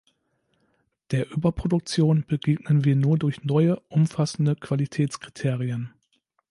Der Überproduktion begegnen wir nur durch neue, umfassende Qualitätskriterien.